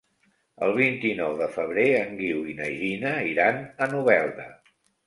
El vint-i-nou de febrer en Guiu i na Gina iran a Novelda.